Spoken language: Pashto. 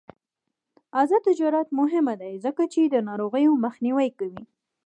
آزاد تجارت مهم دی ځکه چې د ناروغیو مخنیوی کوي.